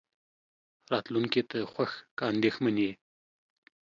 راتلونکې ته خوښ که اندېښمن يې.